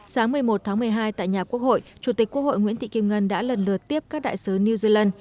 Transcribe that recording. sáng một mươi một tháng một mươi hai tại nhà quốc hội chủ tịch quốc hội nguyễn thị kim ngân đã lần lượt tiếp các đại sứ new zealand